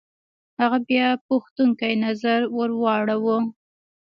هغه بيا پوښتونکی نظر ور واړوه.